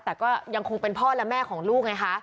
แต่ก็ยังคงเป็นพ่อและแม่ของลูกไงคะ